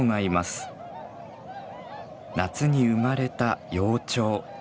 夏に生まれた幼鳥。